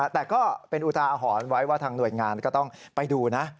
แต่ก็เป็นอุทาหรณ์ไว้ว่าทางหน่วยงานก็ต้องไปดูนะ